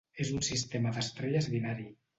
És un sistema d"estrelles binari.